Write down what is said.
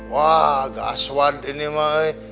wah gaswat ini mai